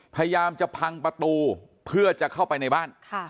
พยายามจะพังประตูเพื่อจะเข้าไปในบ้าน